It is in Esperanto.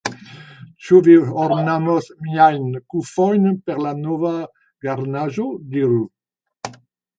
Ĉu vi ornamos miajn kufojn per la nova garnaĵo, diru?